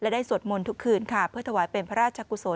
ได้สวดมนต์ทุกคืนการถวายเป็นพระราชกุศล